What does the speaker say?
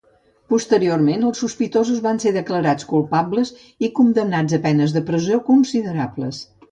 Posteriorment, els sospitosos van ser declarats culpables i condemnats a penes de presó considerables.